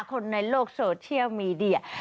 คนในโลกโซเชียลมีเดีย